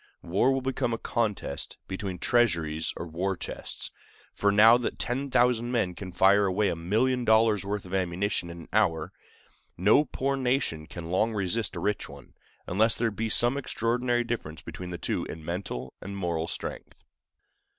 War will become a contest between treasuries or war chests; for now that 10,000 men can fire away a million dollars' worth of ammunition in an hour, no poor nation can long resist a rich one, unless there be some extraordinary difference between the two in mental and moral strength.